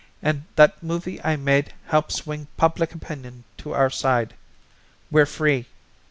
And that movie I made helped swing public opinion to our side. We're free!